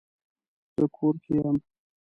زه کور کې یم